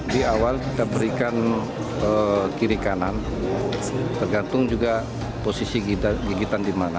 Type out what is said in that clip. di awal kita berikan kiri kanan tergantung juga posisi gigitan di mana